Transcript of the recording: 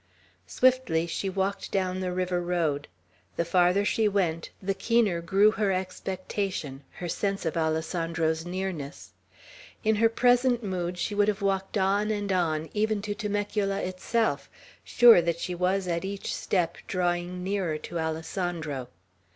Swiftly she walked down the river road. The farther she went, the keener grew her expectation, her sense of Alessandro's nearness. In her present mood she would have walked on and on, even to Temecula itself, sure that she was at each step drawing nearer to Alessandro.